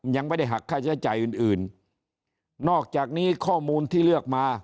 ยังไม่ได้หักค่าใช้จ่ายอื่นอื่นนอกจากนี้ข้อมูลที่เลือกมา